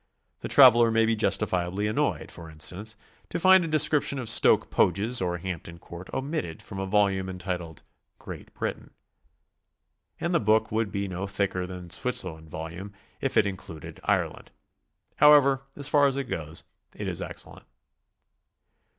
The traveler may be justifiably annoyed, for instance, to find a description of Stoke Poges or Hampton Court omitted from a volume entitled "Great Britain." And the book would be no thicker than the Switzerland volume' if it in cluded Ireland. However, as far as it goes, it is excellent.